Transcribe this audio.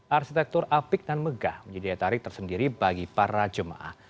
arsitektur apik dan megah menjadi daya tarik tersendiri bagi para jemaah